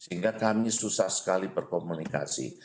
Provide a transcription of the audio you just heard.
sehingga kami susah sekali berkomunikasi